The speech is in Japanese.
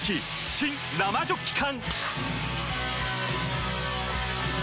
新・生ジョッキ缶！